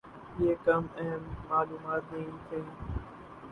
یہ کم اہم معلومات نہیں تھیں۔